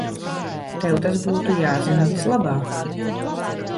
Tev tas būtu jāzina vislabāk.